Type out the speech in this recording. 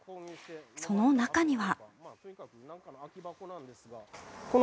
その中には。